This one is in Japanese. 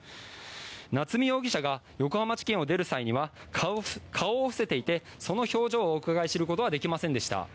夏見容疑者が横浜地検を出る際には顔を伏せていてその表情をうかがい知ることはできませんでした。